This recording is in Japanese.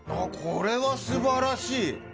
これは素晴らしい！